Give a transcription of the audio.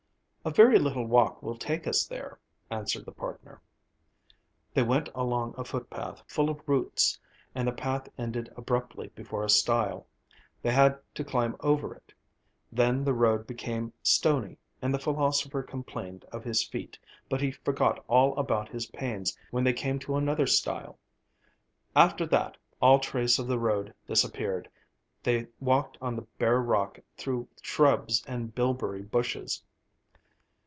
"A very little walk will take us there," answered the partner. They went along a footpath, full of roots, and the path ended abruptly before a stile. They had to climb over it. Then the road became stony, and the philosopher complained of his feet, but he forgot all about his pains when they came to another stile. After that, all trace of the road disappeared; they walked on the bare rock through shrubs and bilberry bushes.